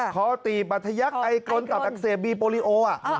คอตีบปัทยักษ์ไอกลตับอักเสบบีโปรลิโอ